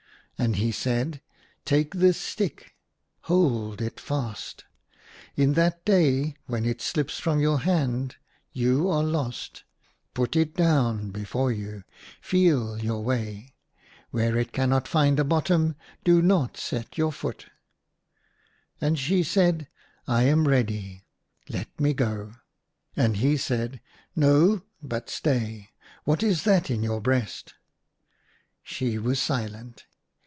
And he said, " Take this stick; hold it fast. In that day when it slips from your hand you are lost. Put it down before you ; feel your way : where it cannot find a bottom do not set your foot." THREE DREAMS IN A DESERT. 79 And she said, I am ready ; let me go." And he said, No — but stay ; what is that — in your breast ?" She was silent.